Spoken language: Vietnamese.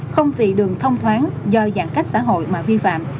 không vì đường thông thoáng do giãn cách xã hội mà vi phạm